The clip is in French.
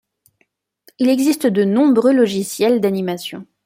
Il existe de nombreux logiciels d'animation.